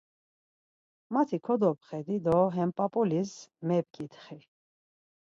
Mati kodopxedi do hem p̌ap̌ulis mep̌ǩitxi.